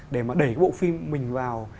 để mà đẩy bộ phim mình vào